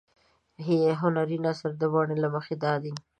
هنري نثرونه د بڼې له مخې دادي.